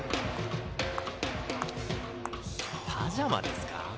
パジャマですか？